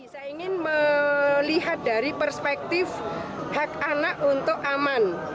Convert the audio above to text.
saya ingin melihat dari perspektif hak anak untuk aman